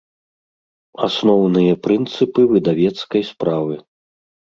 Асноўныя прынцыпы выдавецкай справы